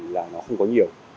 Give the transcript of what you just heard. là nó không có nhiều